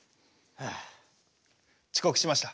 ちこくしました。